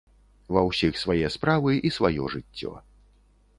Ва ўсіх свае справы і сваё жыццё.